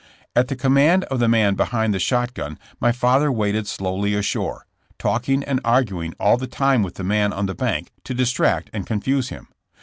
At the command of the man behind the shot gun my father waded slowly ashore, talking and arguing all the time wdth the man on the bank to distract and confuse him.